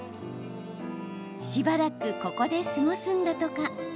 しばらくここで過ごすんだとか。